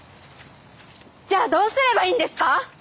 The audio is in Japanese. じゃあどうすればいいんですか！？